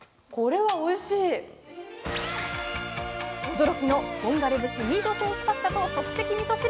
驚きの「本枯節ミートソースパスタ」と「即席みそ汁」